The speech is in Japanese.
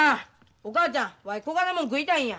お母ちゃんわいこがなもん食いたいんや。